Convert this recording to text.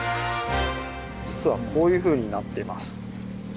実はこういうふうになっています。